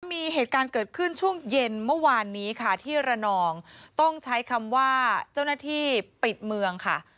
มีเหตุการณ์เกิดขึ้นช่วงเย็นเมื่อวานนี้ค่ะที่ระนองต้องใช้คำว่าเจ้าหน้าที่ปิดเมืองค่ะ